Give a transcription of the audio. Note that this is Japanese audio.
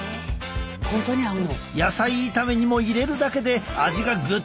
野菜炒めにも入れるだけで味がぐっと深まる。